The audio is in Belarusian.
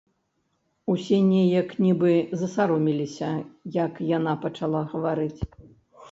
Усе неяк нібы засаромеліся, як яна пачала гаварыць.